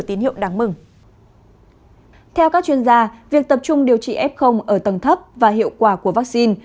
theo các chuyên gia việc tập trung điều trị f ở tầng thấp và hiệu quả của vaccine